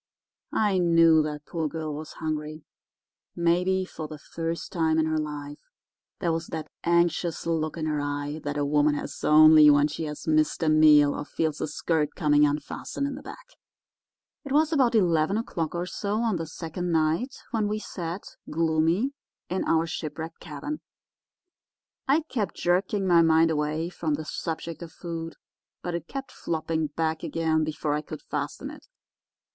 I knew that poor girl was hungry—maybe for the first time in her life. There was that anxious look in her eye that a woman has only when she has missed a meal or feels her skirt coming unfastened in the back. "It was about eleven o'clock or so on the second night when we sat, gloomy, in our shipwrecked cabin. I kept jerking my mind away from the subject of food, but it kept flopping back again before I could fasten it.